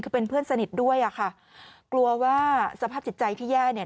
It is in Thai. คือเป็นเพื่อนสนิทด้วยอ่ะค่ะกลัวว่าสภาพจิตใจที่แย่เนี่ย